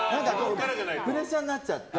プレッシャーになっちゃって。